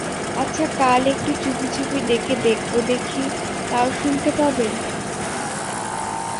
আচ্ছা কাল একটু চুপি চুপি ডেকে দেখবো দেখি, তাও শুনতে পাবে?